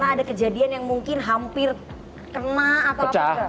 ada kejadian yang mungkin hampir kena atau apa